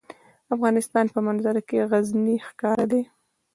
د افغانستان په منظره کې غزني ښکاره ده.